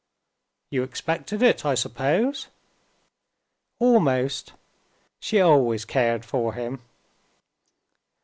"You expected it, I suppose?" "Almost. She always cared for him."